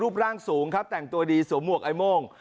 ร่างสูงครับแต่งตัวดีสวมหวกไอ้โม่ง